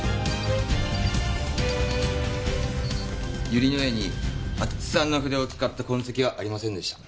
ユリの絵に安芸津さんの筆を使った痕跡はありませんでした。